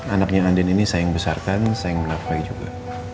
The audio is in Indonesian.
anaknya andin ini saya yang besarkan saya yang menafkai juga